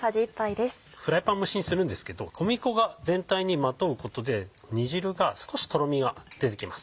フライパン蒸しにするんですけど小麦粉が全体にまとうことで煮汁が少しとろみが出てきます。